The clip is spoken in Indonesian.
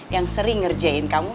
yang sering ngerjain kamu